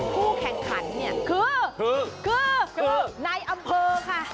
ผู้แข่งขันเนี่ยคือคือในอำเภอค่ะ